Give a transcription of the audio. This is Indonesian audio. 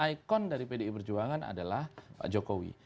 dua ribu empat belas ikon dari pdi perjuangan adalah pak jokowi